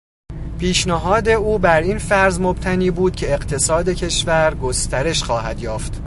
پیشنهاد او بر این فرض مبتنی بود که اقتصاد کشور گسترش خواهد یافت.